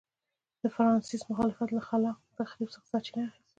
د فرانسیس مخالفت له خلاق تخریب څخه سرچینه اخیسته.